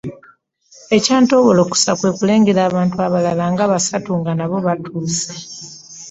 Ekyantoowolokosa kwe kulengera abantu abalala nga basatu nga nabo batuuse.